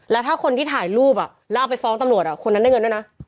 แล้วถ้าคนที่ถ่ายรูปแล้วเอาไปฟ้องตำรวจคนนั้นได้เงินด้วยนะ